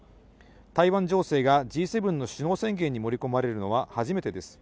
台湾情勢がＧ７の首脳宣言に盛り込まれるのは初めてです。